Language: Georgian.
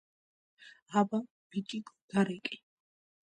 - აბა, ბიჭიკო, დარეკე!